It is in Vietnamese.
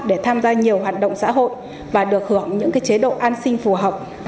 để tham gia nhiều hoạt động xã hội và được hưởng những chế độ an sinh phù hợp